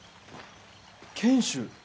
賢秀！